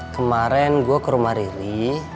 kemarin gue ke rumah riri